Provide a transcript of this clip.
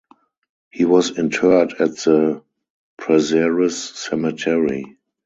He was interred at the Prazeres Cemetery.